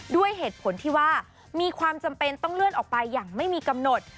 ด้วยเหตุผลที่ว่ามีความจำเป็นต้องเลื่อนออกไปอย่างไม่มีกำหนด